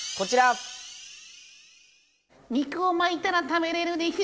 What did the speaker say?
肉を巻いたら食べれるでしゅ。